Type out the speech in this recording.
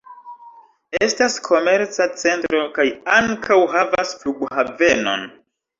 Estas komerca centro kaj ankaŭ havas flughavenon.